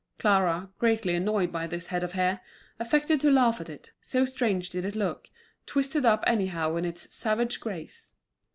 Clara, greatly annoyed by this head of hair, affected to laugh at it, so strange did it look, twisted up anyhow in its savage grace.